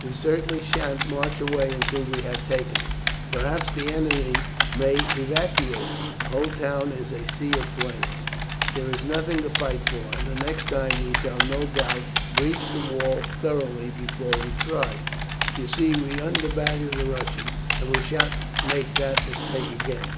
"We certainly sha'n't march away until we have taken it. Perhaps the enemy may evacuate it. The whole town is a sea of flames; there is nothing to fight for, and next time we shall no doubt breach the walls thoroughly before we try. You see, we undervalued the Russians, and we sha'n't make that mistake again.